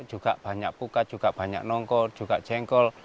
juga banyak pukat juga banyak nongkol juga jengkol